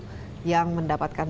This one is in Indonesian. justru yang mendapatkan